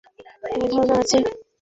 হ্যাঁঁ, ধারনা আছে।